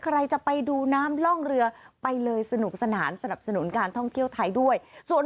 ใครจะไปดูน้ำล่องเรือไปเลยสนุกสนานสนับสนุนการท่องเที่ยวไทยด้วยส่วน